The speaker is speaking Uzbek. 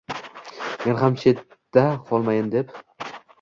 Men ham chetda qolmayin deb